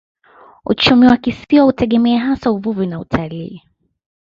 Uchumi wa kisiwa hutegemea hasa uvuvi na utalii.